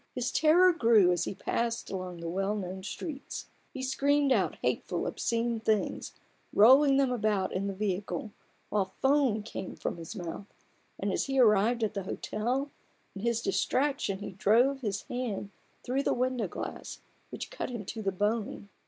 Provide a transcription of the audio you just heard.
His terror grew as he passed along the well known streets : he screamed out hateful, obscene things, rolling about in the vehicle, while foam came from his mouth ; and as he arrived at the hotel, in his distraction he drove his hand through the window glass, which cut him into the bone.